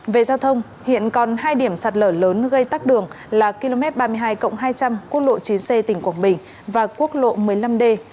về giao thông hiện còn hai điểm sạt lở lớn gây tắc đường là km ba mươi hai hai trăm linh quốc lộ chín c tỉnh quảng bình và quốc lộ một mươi năm d